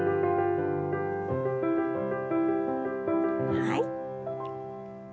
はい。